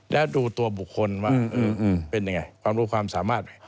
แล้วดูตัวบุคคลว่าเป็นยังไงความรู้ความสามารถ